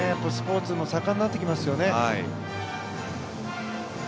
スポーツも盛んになってきますよね。